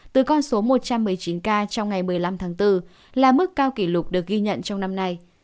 từ con số một trăm một mươi chín ca trong ngày một mươi năm tháng bốn là mức cao kỷ lục được ghi nhận trong năm nay